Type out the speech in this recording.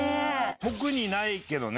特にないけどね。